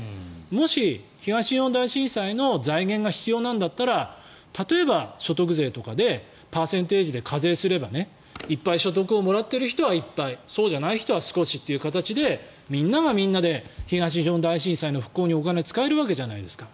もし東日本大震災の財源が必要なんだったら例えば所得税とかでパーセンテージで課税すればいっぱい所得をもらっている人はいっぱいそうじゃない人は少しという形でみんながみんなで東日本大震災の復興にお金を使えるわけじゃないですか。